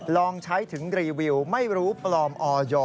ลองใช้ถึงรีวิวไม่รู้ปลอมออย